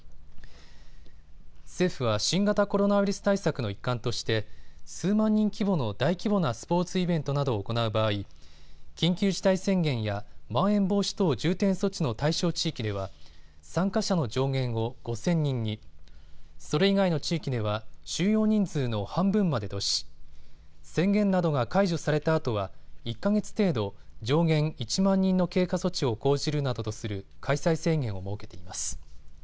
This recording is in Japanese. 政府は新型コロナウイルス対策の一環として数万人規模の大規模なスポーツイベントなどを行う場合、緊急事態宣言や、まん延防止等重点措置の対象地域では参加者の上限を５０００人に、それ以外の地域では収容人数の半分までとし宣言などが解除されたあとは１か月程度、上限１万人の経過措置を講じるなどとする開催制限を設けています。